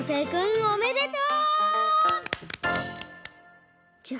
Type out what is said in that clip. おめでとう！